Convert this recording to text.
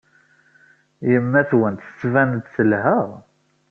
Yemma-twent tettban-d telha.